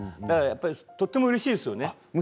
とてもうれしいですよね